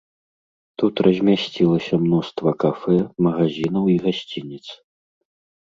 Тут размясцілася мноства кафэ, магазінаў і гасцініц.